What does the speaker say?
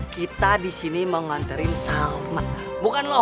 kita disini mau nganterin salma bukan lo